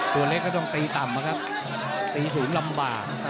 ตัวเล็กก็ต้องตีต่ำนะครับตีสูงลำบาก